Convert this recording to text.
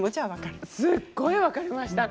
すっごい分かりました。